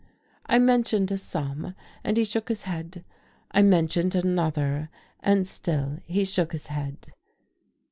I mentioned a sum, and he shook his head. I mentioned another, and still he shook his head.